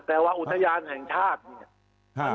แต่ว่าอุทยานแห่งชาติเนี่ย